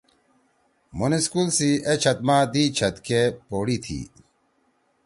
مُھن سکول سی اے چھت ما دِئی چھت کے پوڑی تھی۔